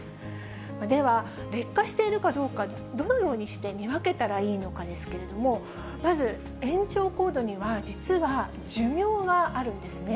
では、劣化しているかどうか、どのようにして見分けたらいいのかですけれども、まず延長コードには、実は寿命があるんですね。